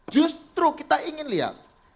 justru kita ingin lihat